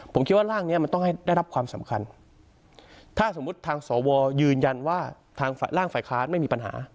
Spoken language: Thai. ผมคิดว่าร่างนี้มันต้องให้ได้รับความสำคัญถ้าสมมุติทางสวยืนยันว่าทางร่างฝ่ายค้านไม่มีปัญหา